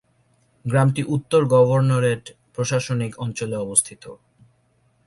গ্রামটি উত্তর গভর্নরেট প্রশাসনিক অঞ্চলে অবস্থিত।